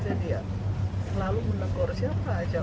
selalu menegur siapa saja